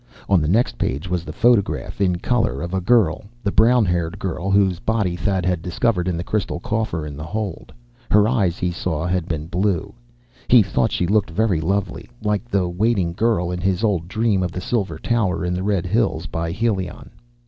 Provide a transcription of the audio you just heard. On the next page was the photograph, in color, of a girl, the brown haired girl whose body Thad had discovered in the crystal coffer in the hold. Her eyes, he saw, had been blue. He thought she looked very lovely like the waiting girl in his old dream of the silver tower in the red hills by Helion.